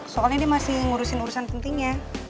soalnya dia masih ngurusin urusan pentingnya